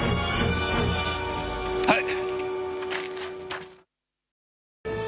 はい！